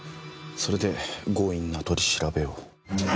それで強引な取り調べを。